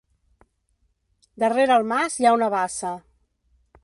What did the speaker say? Darrere el mas hi ha una bassa.